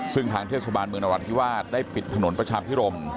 ซึ่งทางเทศบาลเมืองนรัฐธิวาสได้ปิดถนนประชาพิรม